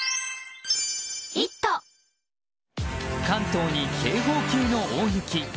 関東に警報級の大雪。